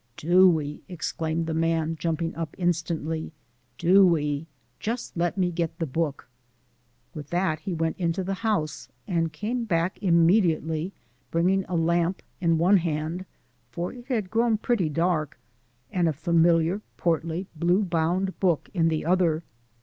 "Do we?" exclaimed the man, jumping up instantly; "do we? Just let me get the book " With that he went into the house and came back immediately bringing a lamp in one hand for it had grown pretty dark and a familiar, portly, blue bound book in the other.